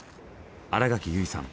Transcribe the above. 新垣結衣さん